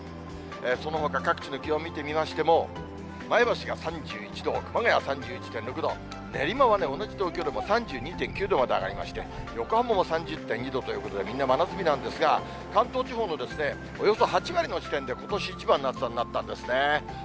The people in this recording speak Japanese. そのほか各地の気温見てみましても、前橋が３１度、熊谷３１．６度、練馬は同じ東京でも３２．９度まで上がりまして、横浜も３０．２度ということで、みんな真夏日なんですが、関東地方のおよそ８割の地点で、ことし一番の暑さになったんですね。